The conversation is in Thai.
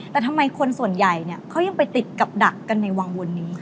แต่ทำไมคนส่วนใหญ่เขายังไปติดกับดักกันในวังวนนี้